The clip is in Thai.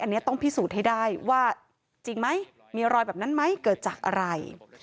อันนี้ต้องพิสูจน์ให้ได้ว่าจริงไหมมีรอยแบบนั้นไหมเกิดจากอะไร